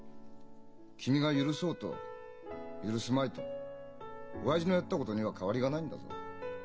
君が許そうと許すまいと親父のやったことには変わりはないんだぞ。